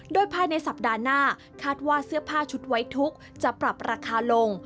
โดยภายในสัปดาห์หน้าคาดว่าเสื้อผ้าชุดไว้ทุกข์จะปรับราคาลง